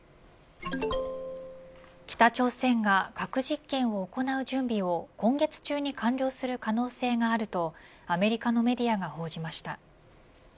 北朝鮮が核実験を行う準備を今月中に完了する可能性があるとアメリカのメディアが報じました。